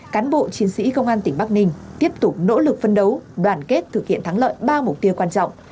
cán bộ chiến sĩ công an tỉnh bắc ninh tiếp tục nỗ lực phân đấu đoàn kết thực hiện thắng lợi ba mục tiêu quan trọng